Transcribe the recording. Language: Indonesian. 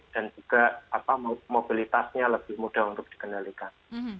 dan juga mobilitasnya lebih mudah untuk dikendalikan